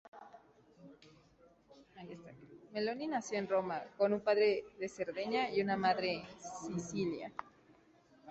Meloni nació en Roma, con un padre de Cerdeña y una madre de Sicilia.